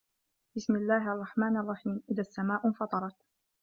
بِسمِ اللَّهِ الرَّحمنِ الرَّحيمِ إِذَا السَّماءُ انفَطَرَت